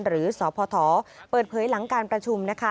หรือสอพทเปิดเผยหลังการประชุม